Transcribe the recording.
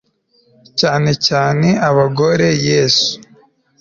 cyane cyane abagore yesu